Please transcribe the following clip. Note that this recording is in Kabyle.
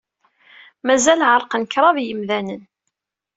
Mazal ɛerqen kraḍ yemdanen.